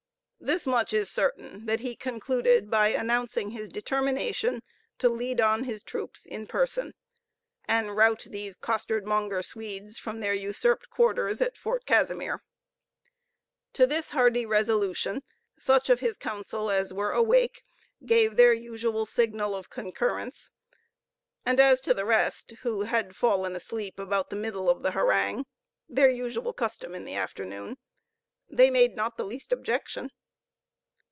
This much is certain, that he concluded by announcing his determination to lead on his troops in person, and rout these costard monger Swedes from their usurped quarters at Fort Casimir. To this hardy resolution, such of his council as were awake gave their usual signal of concurrence; and as to the rest, who had fallen asleep about the middle of the harangue (their "usual custom in the afternoon"), they made not the least objection.